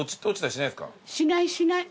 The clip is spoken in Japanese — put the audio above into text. しないしない。